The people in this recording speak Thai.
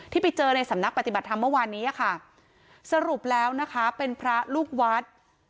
ที่ไปเจอในสำนักปฏิบัติธรรมเมื่อวานนี้ค่ะสรุปแล้วนะคะเป็นพระลูกวัด